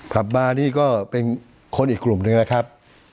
ผับบาร้านนี้ก็เป็นคนอีกกลุ่มหนึ่งนะครับ